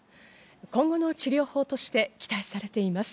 今後の治療法として期待されています。